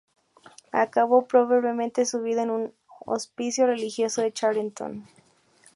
Acabó pobremente su vida en un hospicio religioso de Charenton.